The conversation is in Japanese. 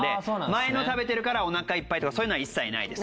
前の食べてるからおなかいっぱいとかそういうのは一切ないです。